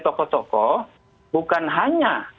tokoh tokoh bukan hanya